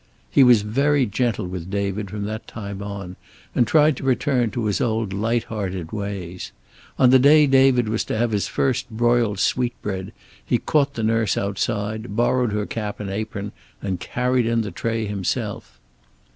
He was very gentle with David from that time on, and tried to return to his old light hearted ways. On the day David was to have his first broiled sweetbread he caught the nurse outside, borrowed her cap and apron and carried in the tray himself.